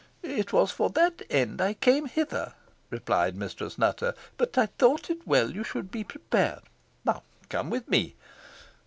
"It was for that end I came hither," replied Mistress Nutter; "but I thought it well you should be prepared. Now come with me."